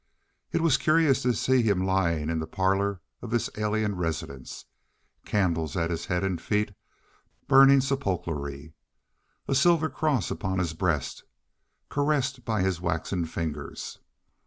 It was curious to see him lying in the parlor of this alien residence, candles at his head and feet, burning sepulchrally, a silver cross upon his breast, caressed by his waxen fingers.